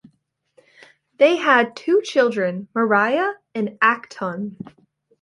They had two children, Mariah and Acton.